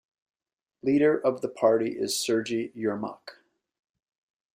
Leader of the party is Sergey Yermak.